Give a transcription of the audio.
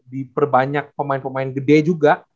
diperbanyak pemain pemain gede juga